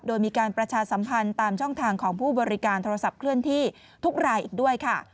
โดยมีการประชาสัมพันธ์ตามช่องทางของผู้บริการโทรศัพท์เคลื่อนที่ทุกรายอีกด้วยค่ะ